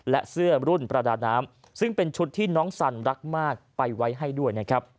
และเสื้อรุ่นประดาน้ำซึ่งเป็นชุดที่น้องสันรักมากไปไว้ให้ด้วยนะครับ